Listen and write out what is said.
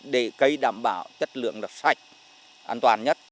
để cây đảm bảo chất lượng là sạch an toàn nhất